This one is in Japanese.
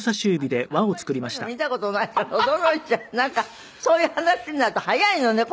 なんかそういう話になると早いのね